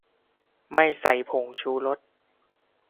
ไม่ใส่ผงชูรส